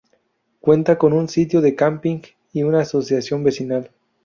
Cuenta con un sitio de camping, y una asociación vecinal.